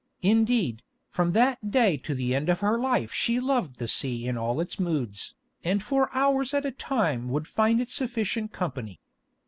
Indeed, from that day to the end of her life she loved the sea in all its moods, and for hours at a time would find it sufficient company.